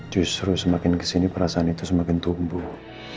justru semakin kesini perasaan itu semakin tumbuh